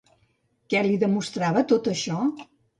Què li demostrava tot això?